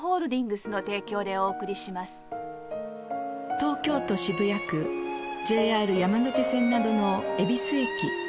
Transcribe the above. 東京都渋谷区ＪＲ山手線などの恵比寿駅。